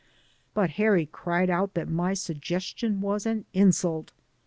But Harry cried out that my suggestion was an insult.